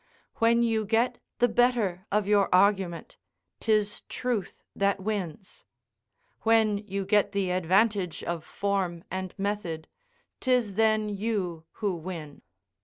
When you get the better of your argument; 'tis truth that wins; when you get the advantage of form and method, 'tis then you who win.